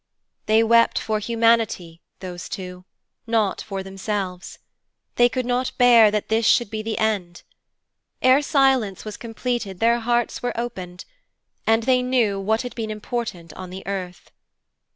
They wept for humanity, those two, not for themselves. They could not bear that this should be the end. Ere silence was completed their hearts were opened, and they knew what had been important on the earth.